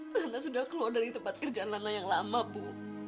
lana sudah keluar dari tempat kerjaan lana yang lama bu